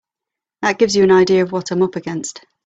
That gives you an idea of what I'm up against.